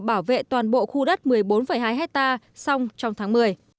bảo vệ toàn bộ khu đất một mươi bốn hai hectare xong trong tháng một mươi